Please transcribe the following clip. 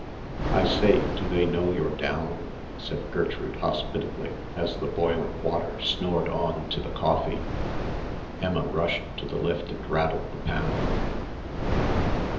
"I say, do they know you're down?" said Gertrude hospitably, as the boiling water snored on to the coffee. Emma rushed to the lift and rattled the panel.